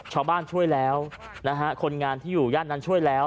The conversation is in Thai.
ชาวบ้านช่วยแล้วคนงานที่อยู่ย่านนั้นช่วยแล้ว